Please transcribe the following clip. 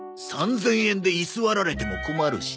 ３０００円で居座られても困るし。